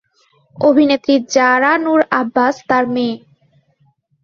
অভিনেত্রী জারা নূর আব্বাস তার মেয়ে।